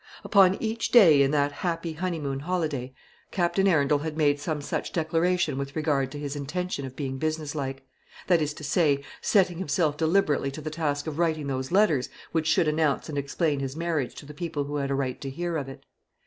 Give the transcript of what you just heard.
Upon each day in that happy honeymoon holiday Captain Arundel had made some such declaration with regard to his intention of being businesslike; that is to say, setting himself deliberately to the task of writing those letters which should announce and explain his marriage to the people who had a right to hear of it.